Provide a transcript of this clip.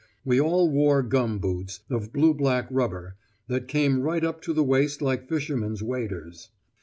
We all wore gum boots, of blue black rubber, that come right up to the waist like fishermen's waders.